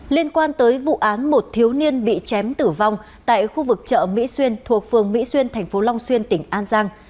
liên quan tới vụ án một thiếu niên bị chém tử vong tại khu vực chợ mỹ xuyên thuộc phường mỹ xuyên thành phố long xuyên tỉnh an giang